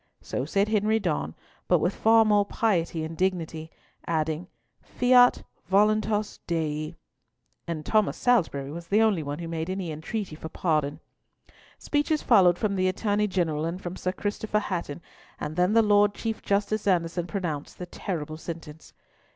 So said Henry Donne, but with far more piety and dignity, adding, "fiat voluntas Dei;" and Thomas Salisbury was the only one who made any entreaty for pardon. Speeches followed from the Attorney General, and from Sir Christopher Hatton, and then the Lord Chief Justice Anderson pronounced the terrible sentence.